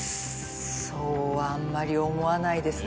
そうはあんまり思わないですね。